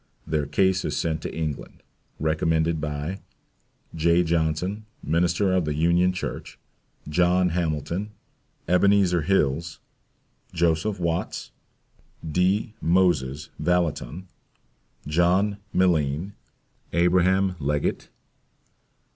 Their case is sent to England, recommended by J. JOHNSON, Minister of the Union Church. JOHN HAMILTON. EBENEZER HILLS. JOSEPH WATTS. D. MOSES VALLOTTON. JOHN MILLENE. ABRAHAM LEGGETT.